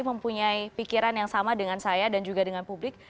mempunyai pikiran yang sama dengan saya dan juga dengan publik